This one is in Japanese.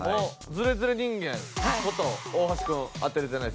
ズレズレ人間こと大橋くん当てられてないですね。